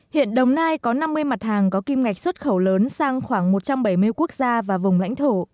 hiện đồng nai có năm mươi mặt hàng có kim ngạch xuất khẩu lớn sang khoảng một trăm bảy mươi quốc gia và vùng lãnh thổ